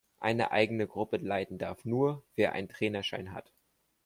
Eine eigene Gruppe leiten darf nur, wer einen Trainerschein hat.